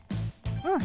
うん。